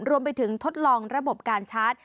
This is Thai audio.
รวมไปถึงทดลองระบบการชาร์จ